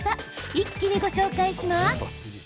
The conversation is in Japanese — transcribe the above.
一気にご紹介します。